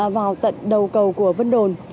vào tận đầu cầu của vân đồn